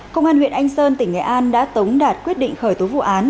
công an huyện anh sơn tỉnh nghệ an đã tống đạt quyết định khởi tố vụ án